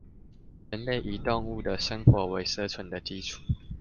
人類以動物的生活為生存的基礎